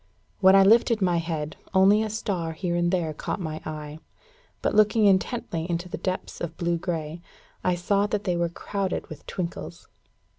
When I lifted my head, only a star here and there caught my eye; but, looking intently into the depths of blue grey, I saw that they were crowded with twinkles.